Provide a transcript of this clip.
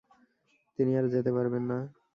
তিনি আর যেতে পারবেন না।